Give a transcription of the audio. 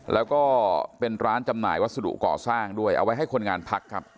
แล้วก็เป็นร้านจำหน่ายวัสดุก่อสร้างด้วยเอาไว้ให้คนงานพักครับ